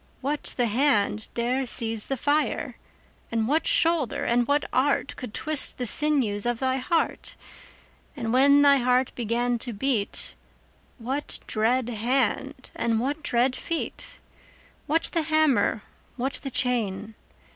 What the hand dare seize the fire? And what shoulder and what art Could twist the sinews of thy heart? 10 And when thy heart began to beat, What dread hand and what dread feet? What the hammer? what the chain?